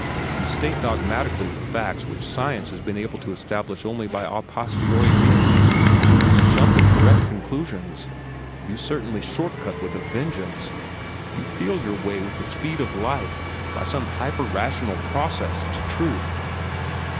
You state dogmatically the latest facts which science has been able to establish only by à posteriori reasoning. You jump at correct conclusions. You certainly short cut with a vengeance. You feel your way with the speed of light, by some hyperrational process, to truth."